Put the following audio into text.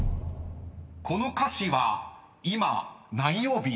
この歌詞は今何曜日？］